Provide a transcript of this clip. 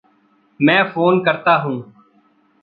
मैं फ़ोन करता हूँ।